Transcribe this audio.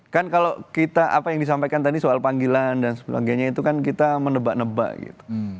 kan kalau kita apa yang disampaikan tadi soal panggilan dan sebagainya itu kan kita menebak nebak gitu